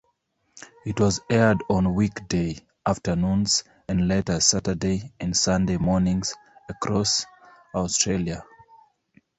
It was aired on weekday afternoons, and later Saturday and Sunday mornings, across Australia.